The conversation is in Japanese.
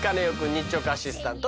日直アシスタント